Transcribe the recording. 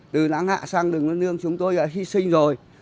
từ lãng hạ sang đường lê văn lương chúng tôi đã hy sinh rồi